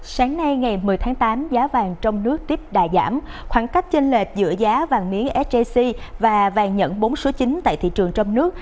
sáng nay ngày một mươi tháng tám giá vàng trong nước tiếp đà giảm khoảng cách chênh lệch giữa giá vàng miếng sjc và vàng nhẫn bốn số chín tại thị trường trong nước